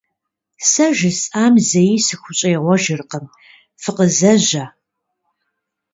Сэ жысӀам зэи сыхущӀегъуэжыркъым, фыкъызэжьэ!